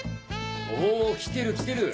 お来てる来てる。